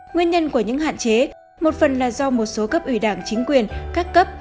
nguyên nhân của những hạn chế một phần là do một số cấp ủy đảng chính quyền các cấp